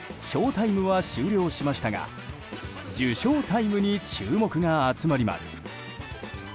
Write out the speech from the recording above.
タイムは終了しましたが受賞タイムに注目が集まります。